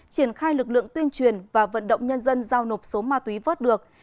triển khai lực lượng tuyên truyền và vận động nhân dân giao nộp số ma túy vớt được